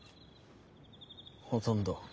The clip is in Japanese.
ほとんど。